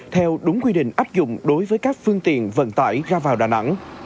theo đúng quy định áp dụng đối với các phương tiện vận tải ra vào đà nẵng